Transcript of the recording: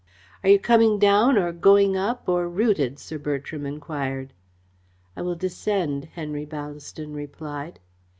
"Are you coming down or going up or rooted?" Sir Bertram enquired. "I will descend," Henry Ballaston replied.